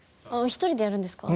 １人でやるんですか？